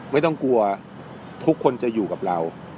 ไม่ต้องกลัวทุกคนจะอยู่กับเรา